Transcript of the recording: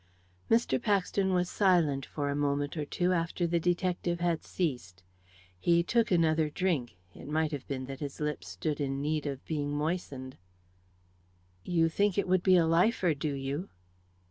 Mr. Paxton was silent for a moment or two after the detective had ceased. He took another drink; it might have been that his lips stood in need of being moistened. "You think it would be a lifer, do you?"